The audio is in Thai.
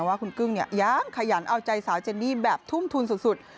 ว่าคุณกึ้งยังขยันเอาใจสาวเจนนี่แบบทุ่มทุนสุด